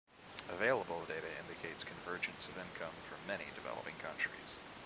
Available data indicates convergence of income for many developing countries.